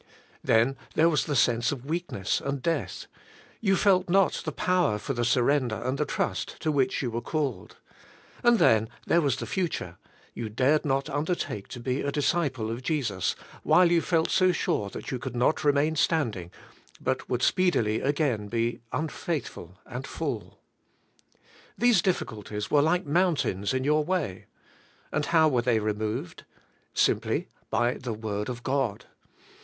Then there was the sense of weakness and death : you felt not the power for the surrender and the trust to which you were called. And then there was the future : you dared not undertake to be a disciple 44 ABIDE IN CHRIST: of Jesus while you felt so sure that you could not re main standing, but would speedily again be unfaith ful and fall. These difficulties were like mountains in your way. And how were they removed? Simply by the word of God.